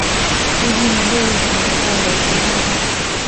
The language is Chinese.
至翌年六月才回到琉球那霸。